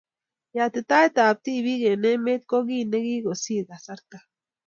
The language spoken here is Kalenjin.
Yatitaetab tibiik eng emet ko kiiy nekikosir kasarta